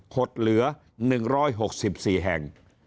ดเหลือ๑๖๔แห่ง